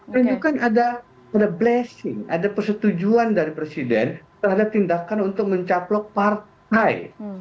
mereka kan ada ada blessing ada persetujuan dari presiden terhadap tindakan untuk mencaplok partai